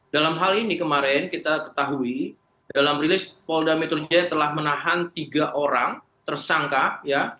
dalam hal ini kemarin kita ketahui dalam rilis polda metro jaya telah menahan tiga orang tersangka ya